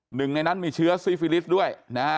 หนึ่งในนั้นมีเชื้อซีฟิลิสด้วยนะฮะ